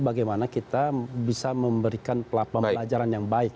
bagaimana kita bisa memberikan pelapan pelajaran yang baik